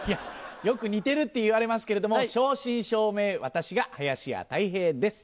よく似てるって言われますけれども正真正銘私が林家たい平です。